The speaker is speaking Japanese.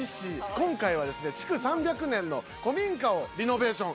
今回は築３００年の古民家をリノベーション。